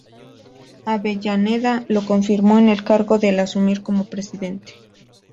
Avellaneda lo confirmó en el cargo al asumir como presidente.